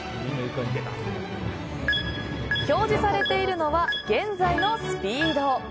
表示されているのは現在のスピード。